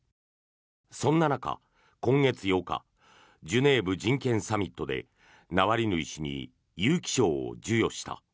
そんな中、今月８日ジュネーブ人権サミットでナワリヌイ氏に勇気賞を授与した。